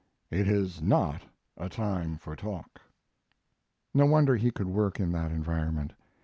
It is not a time for talk. No wonder he could work in that environment.